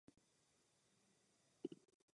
Musíme lépe koordinovat svou technickou pomoc.